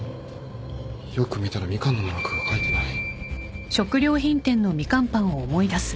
よく見たらみかんのマークが描いてない。